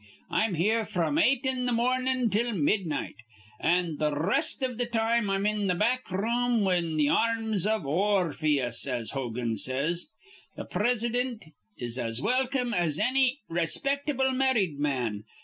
I'm here fr'm eight in the mornin' till midnight, an' th' r rest iv th' time I'm in the back room in th' ar rms iv Or rphyus, as Hogan says. Th' Presidint is as welcome as anny rayspictable marrid man.